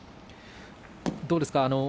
どうですか？